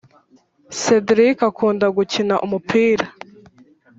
Cedric akunda gukina umupira